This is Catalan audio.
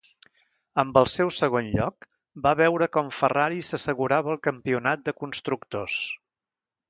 Amb el seu segon lloc, va veure com Ferrari s'assegurava el campionat de constructors.